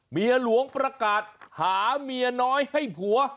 เมียหลวงประกาศหาเมียน้อยให้ผัว